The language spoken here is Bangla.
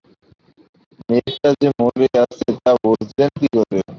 মেয়েটা যে মরে আছে তা বুঝলেন কী করে?